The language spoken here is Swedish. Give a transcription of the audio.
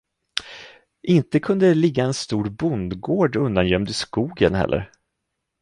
Inte kunde det ligga en stor bondgård undangömd i skogen heller?